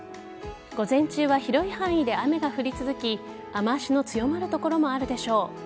午前中は広い範囲で雨が降り続き雨脚の強まる所もあるでしょう。